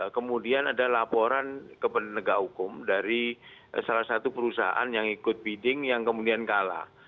kemudian ada laporan ke penegak hukum dari salah satu perusahaan yang ikut bidding yang kemudian kalah